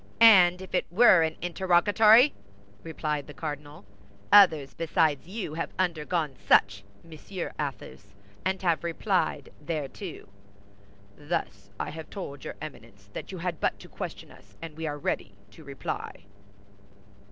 "And if it were an interrogatory!" replied the cardinal. "Others besides you have undergone such, Monsieur Athos, and have replied thereto." "Thus I have told your Eminence that you had but to question us, and we are ready to reply."